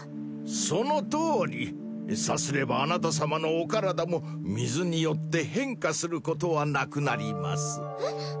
そのとおりさすればあなた様のお体も水によって変化することはなくなりますえっ？